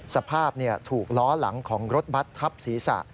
สภาพถูกล้อหลังของรถบัตรทับศีรษะ